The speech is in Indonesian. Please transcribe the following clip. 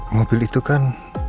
mobil itu kan